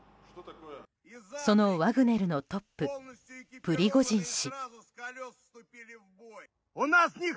そのワグネルのトッププリゴジン氏。